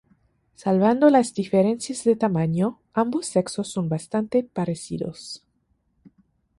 Salvando las diferencias de tamaño, ambos sexos son bastante parecidos.